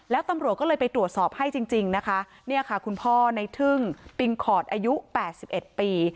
แล้วตำรวจก็เลยไปตรวจสอบให้จริงนะคะเนี่ยค่ะคุณพ่อในทึ่งปิงคอร์ดอายุ๘๑ปี